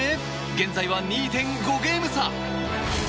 現在は２．５ゲーム差。